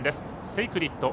セイクリッド。